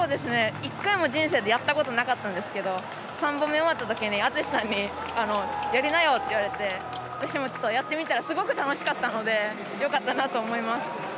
１回も人生でやったことなかったんですけど３度目、終わったときに篤さんに、やりなよって言われて私もやってみたらすごく楽しかったのでよかったなと思います。